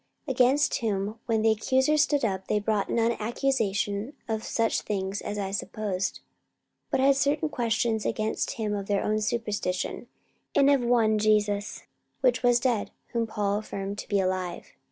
44:025:018 Against whom when the accusers stood up, they brought none accusation of such things as I supposed: 44:025:019 But had certain questions against him of their own superstition, and of one Jesus, which was dead, whom Paul affirmed to be alive.